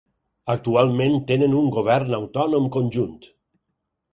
Actualment tenen un govern autònom conjunt.